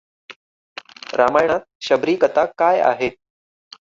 रामायणात शबरी कथा काय आहे?